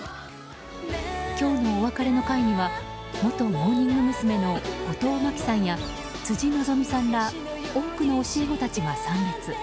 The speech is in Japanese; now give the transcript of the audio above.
今日のお別れの会には元モーニング娘。の後藤真希さんや辻希美さんら多くの教え子たちが参列。